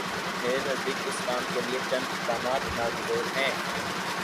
میرے نزدیک اس کام کے لیے چند اقدامات ناگزیر ہیں۔